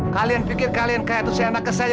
kalian pikir kalian kayak itu si anak ke saya